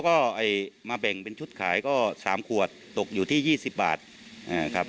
เดี๋ยวก็มาแบ่งเป็นชุดขายก็สามขวดตกอยู่ที่ยี่สิบบาทอ่าครับ